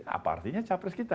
apa artinya capres kita